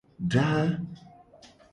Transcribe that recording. Daa.